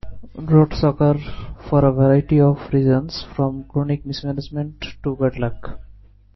Droughts occur for a variety of reasons, from chronic mismanagement to bad luck.